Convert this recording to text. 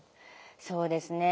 そうですね。